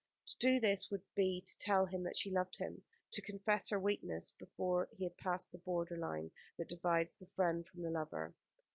To do this would be to tell him that she loved him, to confess her weakness, before he had passed the border line that divides the friend from the lover.